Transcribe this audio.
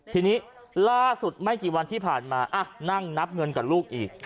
ทีนี้ล่าสุดไม่กี่วันที่ผ่านมานั่งนับเงินกับลูกอีก